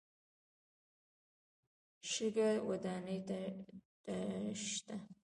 شګه ودانۍ ته شته.